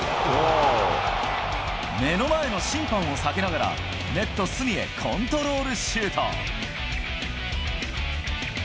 目の前の審判を避けながら、ネット隅へコントロールシュート。